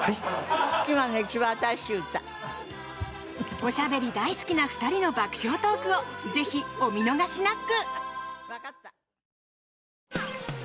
おしゃべり大好きな２人の爆笑トークをぜひお見逃しなく。